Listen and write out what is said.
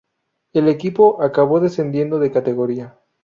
El equipo acabó descendiendo de categoría.